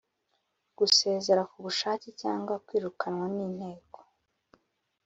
gusezera ku bushake cyangwa kwirukanwa n Inteko